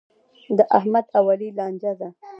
د احمد او علي لانجه ده.